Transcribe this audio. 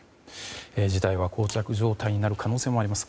時代は膠着状態になる可能性もあります。